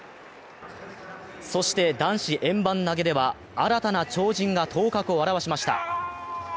そして、男子円盤投げでは新たな超人が頭角を現しました。